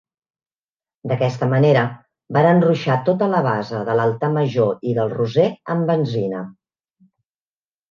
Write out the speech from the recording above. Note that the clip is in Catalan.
D'aquesta manera varen ruixar tota la base de l'altar major i del Roser amb benzina.